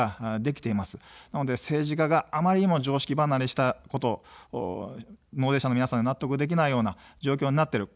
なので政治家があまりにも常識離れしたこと、納税者の皆さんが納得できないような状況になっている。